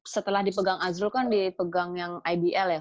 setelah dipegang azrul kan dipegang yang ibl ya